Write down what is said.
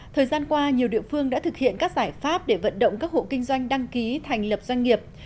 thời gian qua nhiều địa phương đã thực hiện các giải pháp để vận động các hộ kinh doanh đăng ký thành lập doanh nghiệp